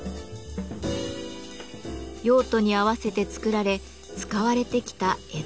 用途に合わせて作られ使われてきた江戸の刷毛。